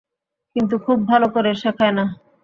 কিন্তু, খুব ভালো করে শেখায় না।